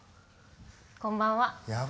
こんばんは。